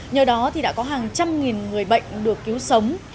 nhờ đó đã có hàng trăm nghìn người bệnh được cứu sống